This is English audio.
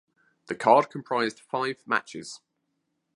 The card comprised five matches.